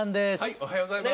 おはようございます。